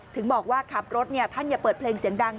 ถึงบอกว่าขับรถท่านอย่าเปิดเพลงเสียงดัง